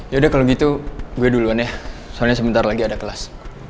ya udah kalau gitu gue duluan ya soalnya sebentar lagi ada kelas